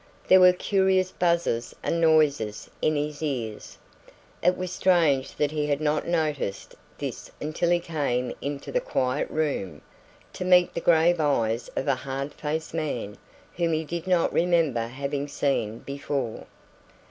There were curious buzzes and noises in his ears. It was strange that he had not noticed this until he came into the quiet room, to meet the grave eyes of a hard faced man, whom he did not remember having seen before.